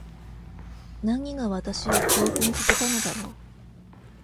何が私を興奮させたのだろう。